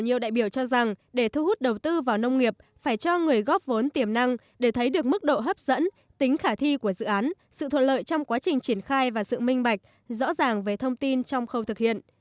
nhiều đại biểu cho rằng để thu hút đầu tư vào nông nghiệp phải cho người góp vốn tiềm năng để thấy được mức độ hấp dẫn tính khả thi của dự án sự thuận lợi trong quá trình triển khai và sự minh bạch rõ ràng về thông tin trong khâu thực hiện